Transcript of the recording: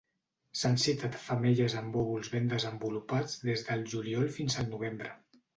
S'han citat femelles amb òvuls ben desenvolupats des del juliol fins al novembre.